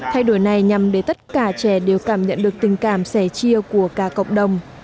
thay đổi này nhằm để tất cả trẻ đều cảm nhận được tình cảm sẻ chia của cả cộng đồng